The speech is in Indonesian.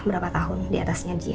berapa tahun diatasnya dia